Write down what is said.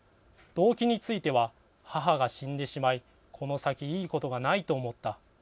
動機については母が死んでしまいこの先いいことがないと思った。